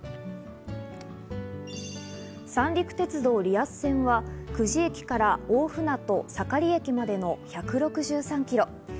三陸鉄道リアス線は久慈駅から大船渡盛駅までの１６３キロ。